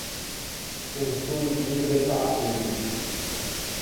Son solo un muggio de fäsummi!